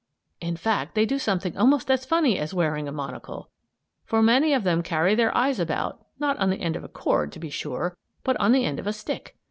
In fact, they do something almost as funny as wearing a monocle. For many of them carry their eyes about, not on the end of a cord, to be sure, but on the end of a stick.